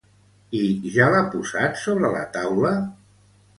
I ja l'ha posat sobre la taula?